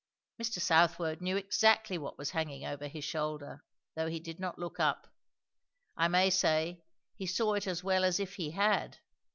Mr. Southwode knew exactly what was hanging over his shoulder, though he did not look up. I may say, he saw it as well as if he had.